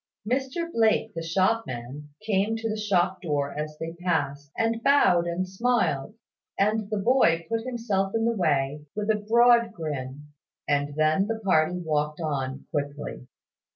Mr Blake, the shopman, came to the shop door as they passed, and bowed and smiled; and the boy put himself in the way, with a broad grin: and then the party walked on quickly.